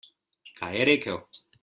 Kaj je rekel?